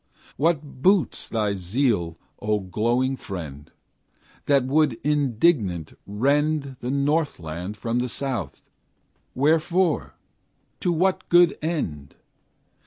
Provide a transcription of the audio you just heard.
What boots thy zeal, O glowing friend, That would indignant rend The northland from the south? Wherefore? to what good end?